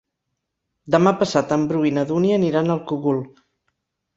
Demà passat en Bru i na Dúnia aniran al Cogul.